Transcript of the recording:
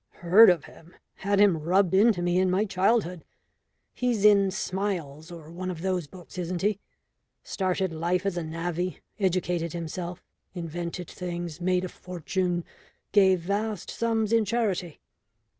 "Heard of him? Had him rubbed into me in my childhood. He's in Smiles or one of those books, isn't he? Started life as a navvy, educated himself, invented things, made a fortune, gave vast sums in charity."